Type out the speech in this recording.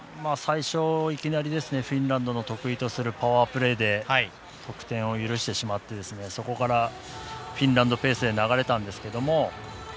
最初、いきなりフィンランドの得意とするパワープレーで得点を許してしまってそこからフィンランドペースで流れたんですけれども。